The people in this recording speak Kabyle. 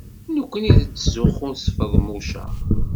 Nekkni nettzuxxu s Feḍmuca.